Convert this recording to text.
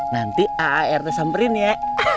nanti aart samperin ya